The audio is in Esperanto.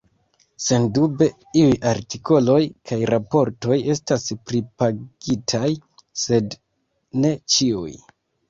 Sendube iuj artikoloj kaj raportoj estas pripagitaj, sed ne ĉiuj.